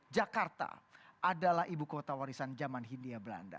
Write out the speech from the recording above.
jakarta adalah ibu kota warisan zaman hindia belanda